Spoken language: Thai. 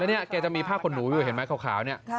นี่แกจะมีผ้าขนหนูอยู่เห็นไหมขาวเนี่ย